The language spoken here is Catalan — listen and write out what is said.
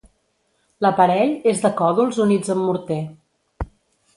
L'aparell és de còdols units amb morter.